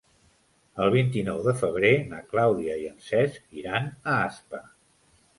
El vint-i-nou de febrer na Clàudia i en Cesc iran a Aspa.